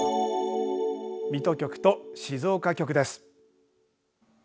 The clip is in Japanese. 水戸局と静岡局です。